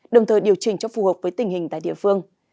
đồng thời điều chỉnh cho phù hợp với tình hình tại địa phương